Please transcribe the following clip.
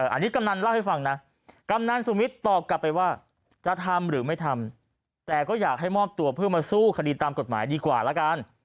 อันนี้กำนันเล่าให้ฟังนะกำนันสุมิตรตอบกลับไปว่าจะทำหรือไม่ทำแต่ก็อยากให้มอบตัวเพื่อมาสู้คดีตามกฎหมายดีกว่าแล้วกัน